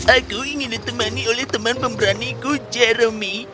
aku ingin ditemani oleh teman pemberaniku jeremy